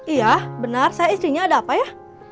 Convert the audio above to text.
iya benar saya istrinya ada apa ya